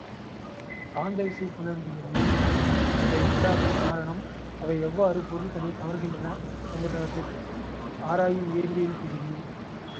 காந்தவிசைப் புலன்களின் இயல்புகள், அவை உண்டாகக் காரணம், அவை எவ்வாறு பொருள்களைக் கவர்கின்றன என்பனவற்றை ஆராயும் இயற்பியல் பிரிவு.